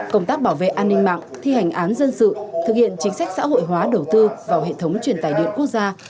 công tác bảo vệ an ninh mạng thi hành án dân sự thực hiện chính sách xã hội hóa đầu tư vào hệ thống truyền tài điện quốc gia